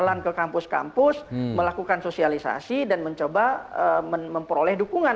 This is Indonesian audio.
jalan ke kampus kampus melakukan sosialisasi dan mencoba memperoleh dukungan